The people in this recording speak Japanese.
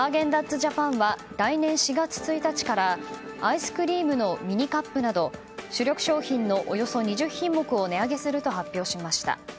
ジャパンは来年４月１日からアイスクリームのミニカップなど主力商品のおよそ２０品目を値上げすると発表しました。